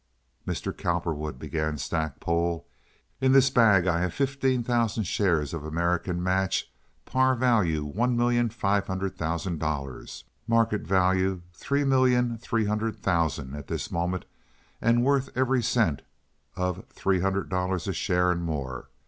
"Mr. Cowperwood," began Stackpole, "in this bag I have fifteen thousand shares of American Match, par value one million five hundred thousand dollars, market value three million three hundred thousand at this moment, and worth every cent of three hundred dollars a share and more.